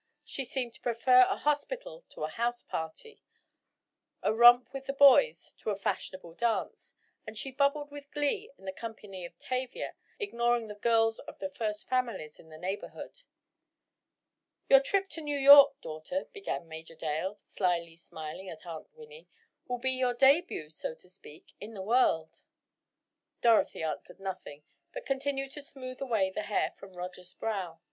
She seemed to prefer a hospital to a house party, a romp with the boys to a fashionable dance, and she bubbled with glee in the company of Tavia, ignoring the girls of the first families in her neighborhood. "Your trip to New York, daughter," began Major Dale, slily smiling at Aunt Winnie, "will be your debut, so to speak, in the world." Dorothy answered nothing, but continued to smooth away the hair from Roger's brow.